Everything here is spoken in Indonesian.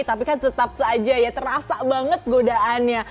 tapi kan tetap saja ya terasa banget godaannya